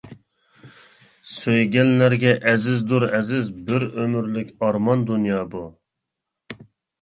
سۆيگەنلەرگە ئەزىزدۇر ئەزىز، بىر ئۆمۈرلۈك ئارمان دۇنيا بۇ.